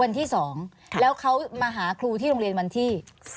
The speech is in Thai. วันที่๒แล้วเขามาหาครูที่โรงเรียนวันที่๓